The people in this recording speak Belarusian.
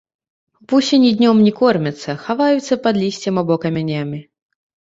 Вусені днём не кормяцца, хаваюцца пад лісцем або камянямі.